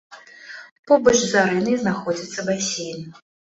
Побач з арэнай знаходзіцца басейн.